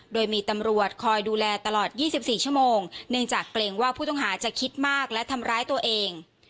โดยมีตำรวจคอยดูแลตลอด๒๔ชั่วโมงเนื่องจากเกรงว่าผู้ต้องหาจะคิดมากและทำร้ายตัวเอง